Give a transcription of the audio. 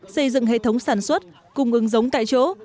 xây dựng hệ thống sản xuất cung ứng giống tại chỗ